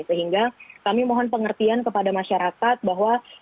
sehingga kami mohon pengertian kepada masyarakat bahwa